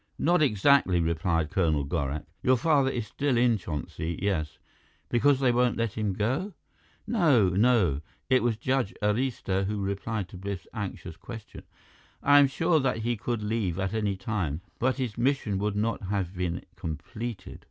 "Not exactly," replied Colonel Gorak. "Your father is still in Chonsi, yes " "Because they won't let him go?" "No, no." It was Judge Arista who replied to Biff's anxious question. "I am sure that he could leave at any time, but his mission would not have been completed."